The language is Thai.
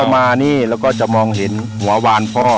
พี่หนุนามานี่แล้วก็จะมองเห็นหัววานพ่อ